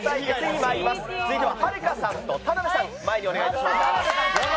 はるかさんと田辺さん前にお願いいたします。